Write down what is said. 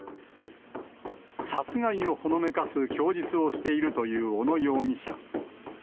殺害をほのめかす供述をしているという小野容疑者。